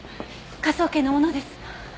科捜研の者です。